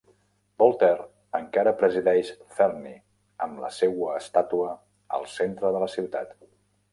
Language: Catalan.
Voltaire encara presideix Ferney amb la seua estàtua al centre de la ciutat.